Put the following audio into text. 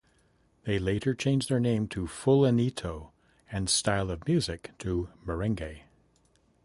They later changed their name to Fulanito; and style of music to merengue.